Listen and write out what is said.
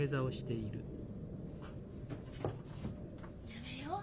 やめよう。